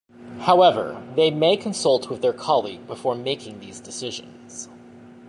However, they may consult with their colleague before making these decisions.